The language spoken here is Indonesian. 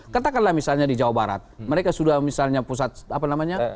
katakanlah misalnya di jawa barat mereka sudah misalnya pusat apa namanya